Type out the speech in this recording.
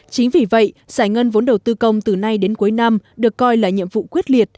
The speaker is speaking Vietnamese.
chính vì vậy giải ngân vốn đầu tư công từ nay đến cuối năm được coi là nhiệm vụ quyết liệt